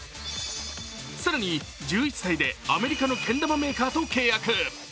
更に、１１歳でアメリカのけん玉メーカーと契約。